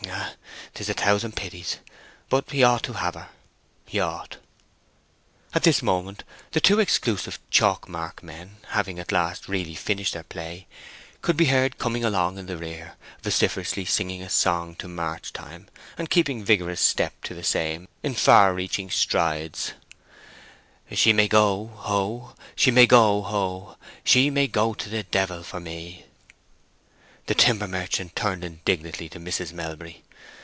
Ah, 'tis a thousand pities! But he ought to have her—he ought!" At this moment the two exclusive, chalk mark men, having at last really finished their play, could be heard coming along in the rear, vociferously singing a song to march time, and keeping vigorous step to the same in far reaching strides— "She may go, oh! She may go, oh! She may go to the d—— for me!" The timber merchant turned indignantly to Mrs. Melbury.